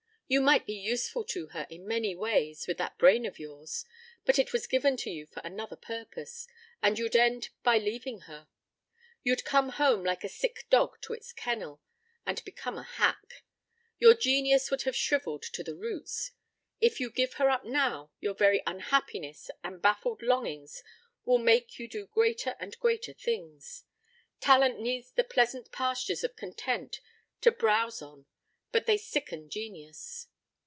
You might be useful to her in many ways, with that brain of yours, but it was given to you for another purpose, and you'd end by leaving her. You'd come home like a sick dog to its kennel and become a hack. Your genius would have shrivelled to the roots. If you give her up now your very unhappiness and baffled longings will make you do greater and greater things. Talent needs the pleasant pastures of content to browse on but they sicken genius.